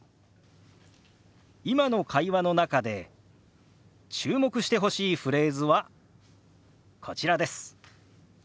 今の会話の中で注目してほしいフレーズはこちらです。